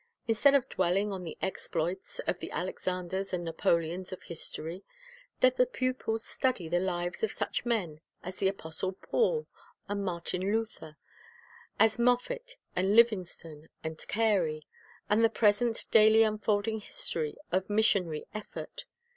Instead of dwelling on the exploits of the Alexanders and Napoleons of history, let the pupils study the lives of such men as the apostle Paul and Martin Luther, as Moffat and Livingstone and Carey, and the present daily unfolding history of mis sionary effort.